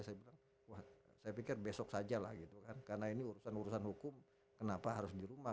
saya pikir besok saja lah karena ini urusan urusan hukum kenapa harus di rumah